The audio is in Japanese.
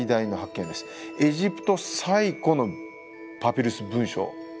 エジプト最古のパピルス文書です。